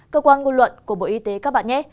cơ quan ngôn luận của bộ y tế các bạn nhé